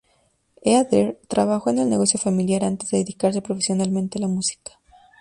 Heather trabajó en el negocio familiar antes de dedicarse profesionalmente a la música.